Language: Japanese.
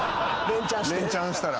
レンチャンしたら。